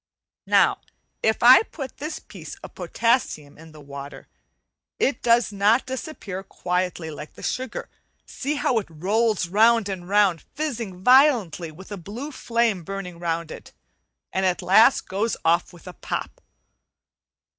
Now if I put this piece of potassium on the water it does not disappear quietly like the sugar. See how it rolls round and round, fizzing violently with a blue flame burning round it, and at last goes off with a pop.